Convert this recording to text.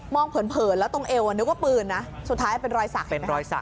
เผินแล้วตรงเอวนึกว่าปืนนะสุดท้ายเป็นรอยสักเป็นรอยสัก